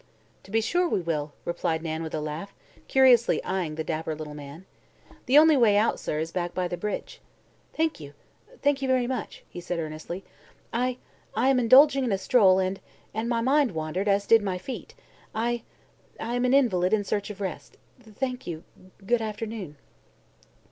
"To be sure we will," replied Nan with a laugh, curiously eyeing the dapper little man. "The only way out, sir, is back by the bridge." "Thank you. Thank you very much," he said earnestly. "I I am indulging in a stroll and and my mind wandered, as did my feet. I I am an invalid in search of rest. Thank you. Good afternoon."